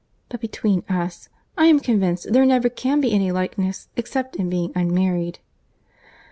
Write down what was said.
But between us, I am convinced there never can be any likeness, except in being unmarried."